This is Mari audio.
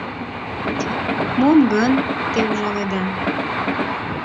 «Мом гын те ужаледа?